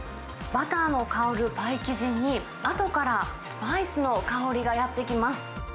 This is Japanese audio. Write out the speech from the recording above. バターの香るパイ生地に、あとからスパイスの香りがやってきます。